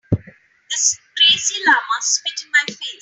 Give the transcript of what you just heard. This crazy llama spit in my face.